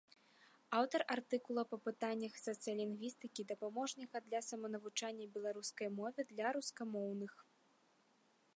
Аўтар артыкулаў па пытаннях сацыялінгвістыкі, дапаможніка для саманавучання беларускай мове для рускамоўных.